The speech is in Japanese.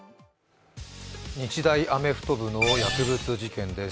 日大アメフト部の薬物事件です。